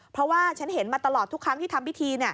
เพราะว่าฉันเห็นมาตลอดทุกครั้งที่ทำพิธี